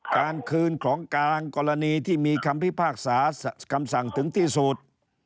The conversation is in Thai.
การคืนของกลางกรณีที่มีคำพิพากษาคำสั่งถึงที่สุด